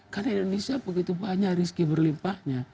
karena indonesia begitu banyak risiko berlimpahnya